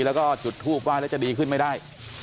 แล้วก็จุดทูบว่าจะดีขึ้นไม่ได้